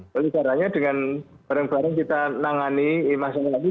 jadi caranya dengan bareng bareng kita menangani masyarakat ini